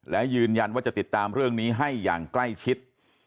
และยืนยันว่าจะติดตามเรื่องนี้ให้อย่างใกล้ชิด